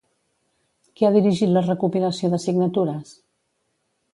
Qui ha dirigit la recopilació de signatures?